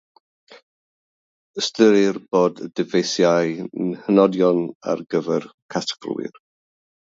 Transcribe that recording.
Ystyrir bod y dyfeisiau'n hynodion ar gyfer casglwyr.